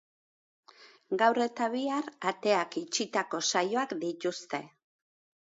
Gaur eta bihar ateak itxitako saioak dituzte.